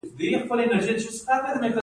ګوښه کول د قانون له مخې کیږي